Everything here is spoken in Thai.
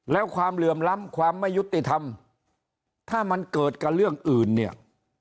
แล้วความเหลื่อมล้ำความไม่ยุติธรรมถ้ามันเกิดกับเรื่องอื่นเนี่ย